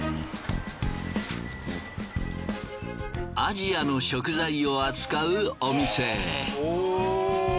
アジアの食材を扱うお店へ。